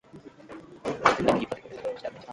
Hull had two brothers who were also actors.